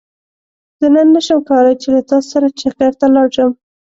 زه نن نه شم کولاي چې له تاسو سره چکرته لاړ شم